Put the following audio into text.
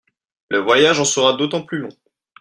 Le voyage en sera d'autant plus long.